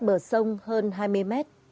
bờ sông hơn hai mươi mét